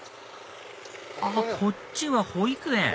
あこっちは保育園